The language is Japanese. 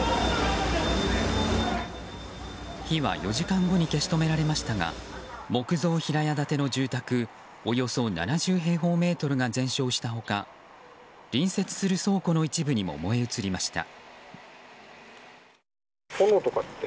火は４時間後に消し止められましたが木造平屋建ての住宅およそ７０平方メートルが全焼した他隣接する倉庫の一部にも燃え移りました。